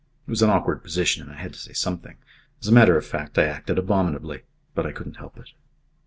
It was an awkward position and I had to say something. As a matter of fact I acted abominably. But I couldn't help it."